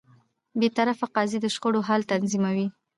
بېطرفه قاضی د شخړو حل تضمینوي.